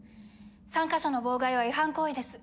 参加者の妨害は違反行為です。